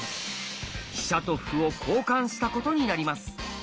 飛車と歩を交換したことになります。